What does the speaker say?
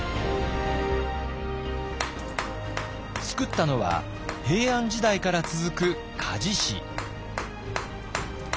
つくったのは平安時代から続く鍛冶師。